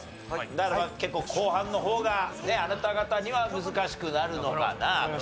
だから結構後半の方があなた方には難しくなるのかなという事でございます。